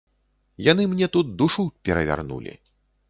Яны мне тут душу перавярнулі.